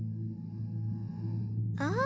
ああ！